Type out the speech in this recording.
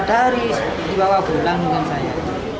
empat hari dibawa pulang dengan saya